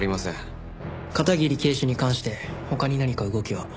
片桐警視に関して他に何か動きは？